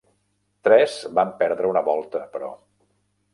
Tres van perdre una volta, però.